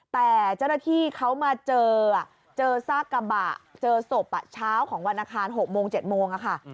แต่เจ้าหน้าที่เขามาเจอซากกระบะเจอศพเช้าของวรรณคาร๖๗โมง